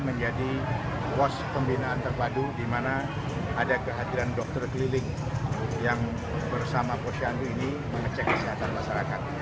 menjadi pos pembinaan terpadu di mana ada kehadiran dokter keliling yang bersama posyandu ini mengecek kesehatan masyarakat